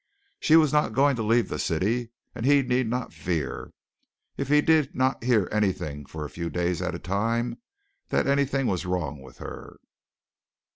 She was not going to leave the city, and he need not fear, if he did not hear anything for a few days at a time, that anything was wrong with her.